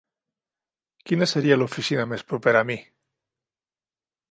Quina seria l'oficina més propera a mi?